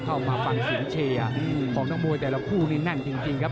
เข้ามาฝั่งสินเชียของทั้งมวยแต่ละคู่นี้นั่นจริงครับ